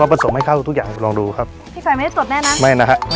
ผสมให้เข้าทุกอย่างลองดูครับพี่ไฟไม่ได้สดแน่นะไม่นะฮะ